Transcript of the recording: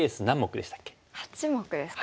８目ですか。